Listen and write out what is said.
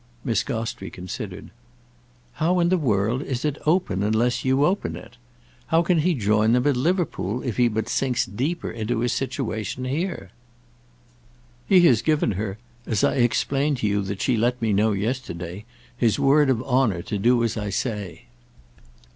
Miss Gostrey considered. "How in the world is it 'open' unless you open it? How can he join them at Liverpool if he but sinks deeper into his situation here?" "He has given her—as I explained to you that she let me know yesterday—his word of honour to do as I say."